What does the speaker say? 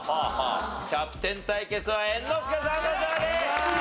キャプテン対決は猿之助さんの勝利！